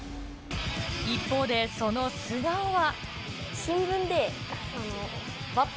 一方でその素顔は。